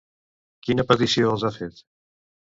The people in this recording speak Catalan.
Quina petició els ha fet?